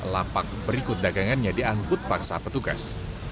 lapak berikut dagangannya diangkut paksa petugas